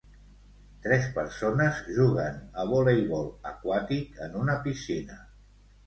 Tres persones juguen a voleibol aquàtic en una piscina